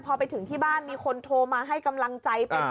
พอไปถึงที่บ้านมีคนโทรมาให้กำลังใจ